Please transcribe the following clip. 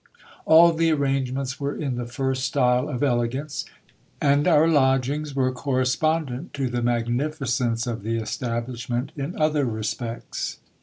All the arrange ments were in the first style of elegance, and our lodgings were correspondent to the magnificence of the establishment in other respects.